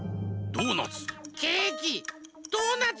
ドーナツ。